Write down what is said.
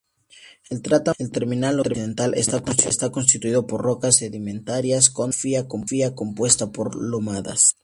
El tramo terminal occidental está constituido por rocas sedimentarias, con topografía compuesta por lomadas.